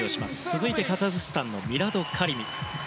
続いてカザフスタンのミラド・カリミ。